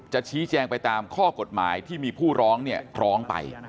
ชี้แจงไปตามข้อกฎหมายที่มีผู้ร้องร้องไป